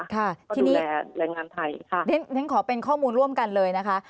ท่านขอเป็นข้อมูลร่วมกันเลยนะคะ